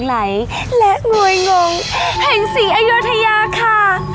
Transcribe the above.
มันให้หลงไหลและงวยงงแห่งศรีอยุธยาค่ะ